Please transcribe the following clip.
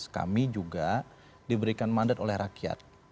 kami juga diberikan mandat oleh rakyat